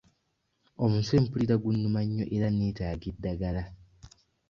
Omutwe mpulira gunnuma nnyo era neetaga eddagala.